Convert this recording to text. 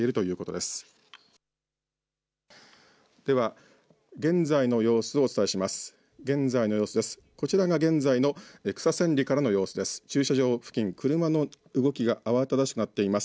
では、現在の様子をお伝えします。